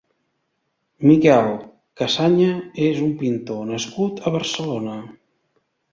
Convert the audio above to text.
Miquel Cazaña és un pintor nascut a Barcelona.